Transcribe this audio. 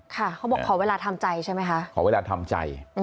เขาบอกขอเวลาทำใจใช่ไหมคะ